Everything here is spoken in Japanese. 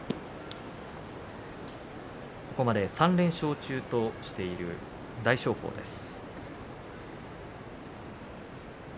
ここまで３連勝としている大翔鵬です。